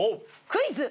クイズ！